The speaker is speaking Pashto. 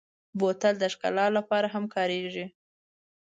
بوتل د ښکلا لپاره هم کارېږي.